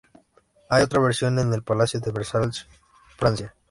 Hay otra versión en el Palacio de Versalles, Francia.